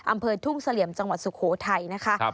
อำเภอทุ่งเสลี่ยมจังหวัดสุโขทัยนะคะ